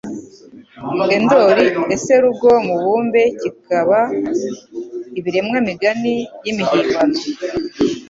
Endori Ese rugo mubumbe bikaba ibiremwa migani y'imihimbano